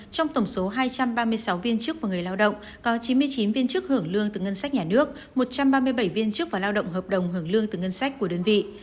trong tổng số hai trăm ba mươi sáu viên chức và người lao động có chín mươi chín viên chức hưởng lương từ ngân sách nhà nước một trăm ba mươi bảy viên chức và lao động hợp đồng hưởng lương từ ngân sách của đơn vị